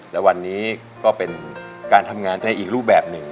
และวันนี้ก็เป็นการทำงานในอีกรูปแบบหนึ่ง